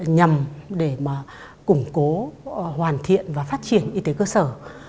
nhằm để mà củng cố hoàn thiện và phát triển y tế cơ sở